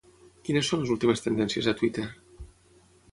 Quines són les últimes tendències a Twitter?